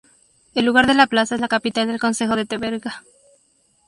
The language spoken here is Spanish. El lugar de La Plaza es la capital del concejo de Teverga.